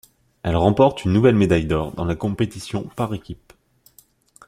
Elle remporte une nouvelle médaille d'or dans la compétition par équipe.